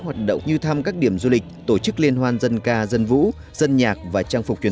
hoạt động như thăm các điểm du lịch tổ chức liên hoan dân ca dân vũ dân nhạc và trang phục truyền